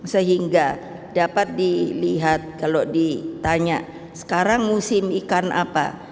sehingga dapat dilihat kalau ditanya sekarang musim ikan apa